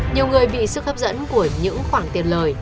nhiều người bị sức hấp dẫn của những khoản tiền lời